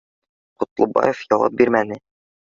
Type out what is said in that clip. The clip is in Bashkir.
Ҡотлобаев яуап бирмәне